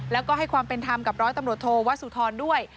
แล้วก็ให้ความเป็นธรรมกับร้อยตำรวจโทวัสสุธรด้วย